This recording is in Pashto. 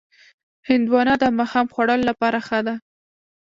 هندوانه د ماښام خوړلو لپاره ښه ده.